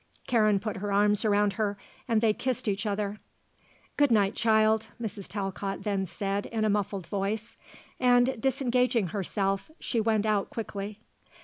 Karen put her arms around her and they kissed each other. "Good night, child," Mrs. Talcott then said in a muffled voice, and disengaging herself she went out quickly.